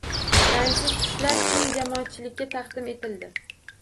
«Rangsiz tushlar» keng jamoatchilikka taqdim etildi